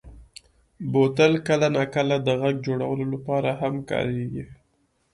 بوتل کله ناکله د غږ جوړولو لپاره هم کارېږي.